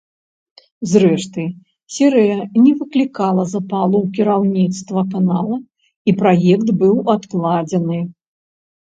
Зрэшты, серыя не выклікала запалу ў кіраўніцтва канала, і праект быў адкладзены.